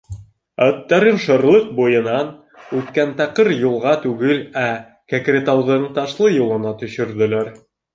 Аттарын шырлыҡ буйынан үткән таҡыр юлға түгел, ә Кәкретауҙың ташлы юлына төшөрҙөләр.